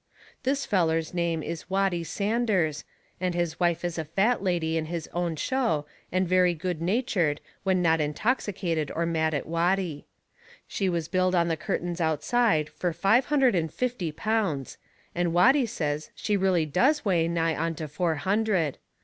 This feller's name is Watty Sanders, and his wife is a fat lady in his own show and very good natured when not intoxicated nor mad at Watty. She was billed on the curtains outside fur five hundred and fifty pounds, and Watty says she really does weigh nigh on to four hundred.